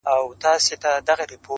o لڅ د لاري اوړي، وږی د لاري نه اوړي٫